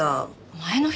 前の日？